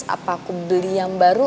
apa aku beli yang baru